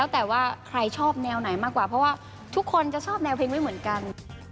แต่ว่าใครชอบแนวไหนมากกว่าเพราะว่าทุกคนจะชอบแนวเพลงไม่เหมือนกัน